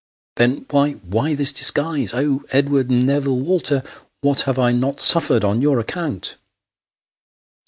" Then why why this disguise ? Oh ! Edward M'Neville Walter, what have I not suffered on your account